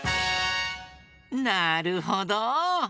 なるほど！